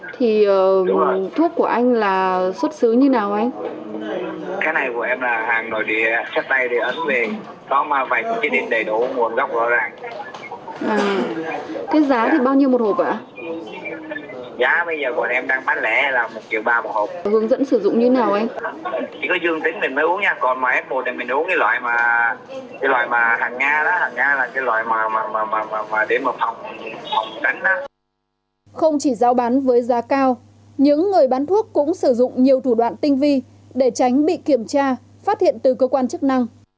không chỉ giao bán với giá cao những người bán thuốc cũng sử dụng nhiều thủ đoạn tinh vi để tránh bị kiểm tra phát hiện từ cơ quan chức năng